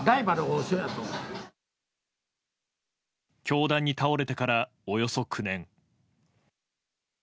凶弾に倒れてから、およそ９年。